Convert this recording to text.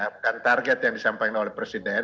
bukan target yang disampaikan oleh presiden